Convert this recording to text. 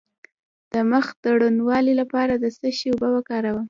د مخ د روڼوالي لپاره د څه شي اوبه وکاروم؟